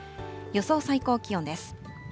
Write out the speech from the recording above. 予想最高気温です。